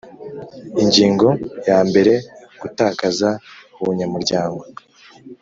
Ingingo yambere Gutakaza Ubunyamuryango